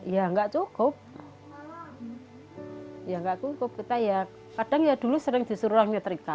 ya nggak cukup ya nggak cukup kita ya kadang ya dulu sering justru orang nyetrika